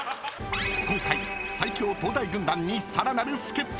［今回最強東大軍団にさらなる助っ人］